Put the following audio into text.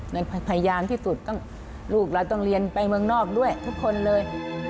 พยายามที่สุดลูกเราต้องเรียนไปเมืองนอกด้วยทุกคนเลย